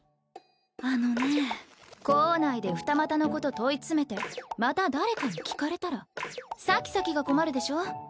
あのね校内で二股のこと問い詰めてまた誰かに聞かれたらサキサキが困るでしょ。